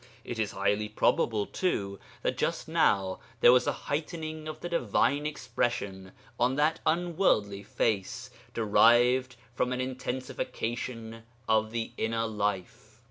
It is highly probable, too, that just now there was a heightening of the divine expression on that unworldly face, derived from an intensification of the inner life.